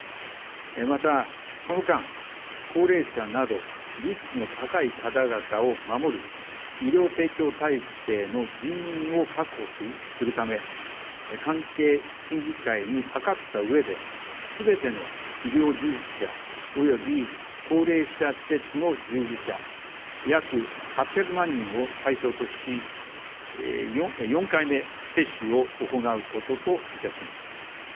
また、その間、高齢者などリスクの高い方々を守り、医療提供体制の人員を確保するため関係審議会に諮ったうえで全ての医療従事者及び高齢者施設の従事者、約８００万人を対象とし、４回目接種を行うことといたします。